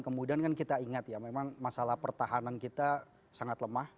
kemudian kan kita ingat ya memang masalah pertahanan kita sangat lemah